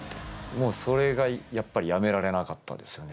もうそれがやっぱりやめられなかったですよね。